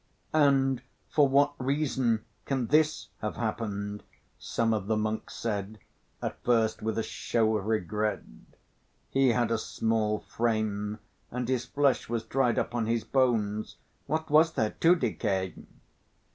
"And for what reason can this have happened," some of the monks said, at first with a show of regret; "he had a small frame and his flesh was dried up on his bones, what was there to decay?"